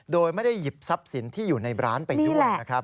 โดยไม่ได้หยิบทรัพย์สินที่อยู่ในร้านไปด้วยนะครับ